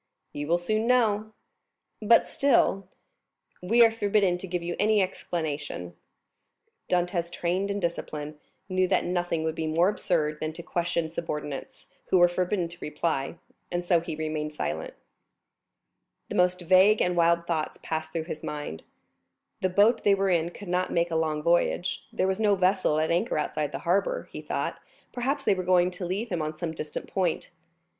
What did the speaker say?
"You will soon know." "But still——" "We are forbidden to give you any explanation." Dantès, trained in discipline, knew that nothing would be more absurd than to question subordinates, who were forbidden to reply; and so he remained silent. The most vague and wild thoughts passed through his mind. The boat they were in could not make a long voyage; there was no vessel at anchor outside the harbor; he thought, perhaps, they were going to leave him on some distant point.